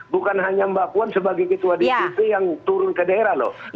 bukan hanya mbak puan sebagai ketua dgp yang turut berusaha